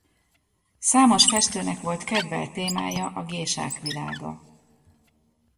Számos festőnek volt kedvelt témája a gésák világa.